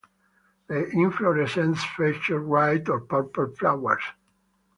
The inflorescences feature white or purple flowers.